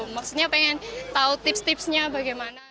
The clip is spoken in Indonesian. maksudnya pengen tahu tips tipsnya bagaimana